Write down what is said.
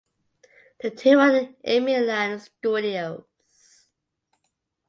The two own Aimeeland Studios.